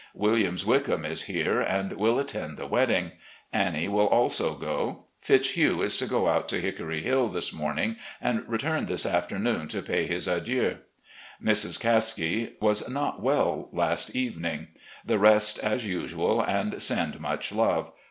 Williams Wickham is here, and will attend the wedding. Annie will also go. Fitzhugh is to go out to Hickory Hill this morning, and return this afternoon, to pay his adieux. Mrs. Caskie was not well last evening. The rest as usual, and send much love.